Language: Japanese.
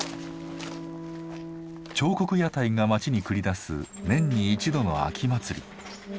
彫刻屋台が町に繰り出す年に一度の秋祭り。